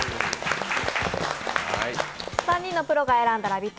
３人のプロが選んだラヴィット！